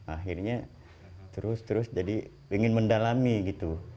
akhirnya terus terus jadi ingin mendalami gitu